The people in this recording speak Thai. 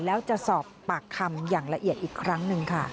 แล้วจะสอบปากคำอย่างละเอียดอีกครั้งหนึ่งค่ะ